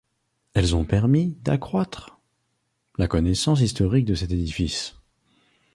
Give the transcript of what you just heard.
Elles ont permis d'accroître la connaissance historique de cet édifice.